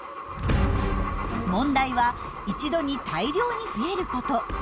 問題は一度に大量に増えること。